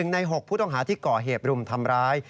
ใน๖ผู้ต้องหาที่ก่อเหตุรุมทำร้าย